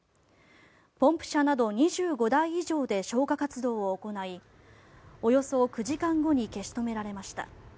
ポンプ車など２５台以上で消火活動を行いおよそ９時間後に消し止められました。